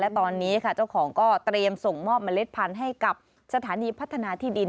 ตอนนี้ค่ะเจ้าของก็เตรียมส่งมอบเล็ดพันธุ์ให้กับสถานีพัฒนาที่ดิน